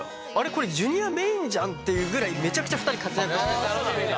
これジュニアメインじゃん？っていうぐらいめちゃくちゃ２人活躍してますんで。